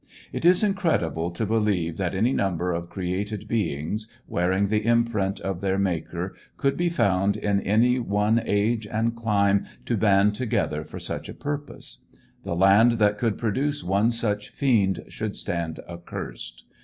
It is incredible to believe that any number of created beings, wearing the imprint of their maker, could be found in any one age and clime to band together for such a purpose. The land that could produce one such fiend should stand accursed.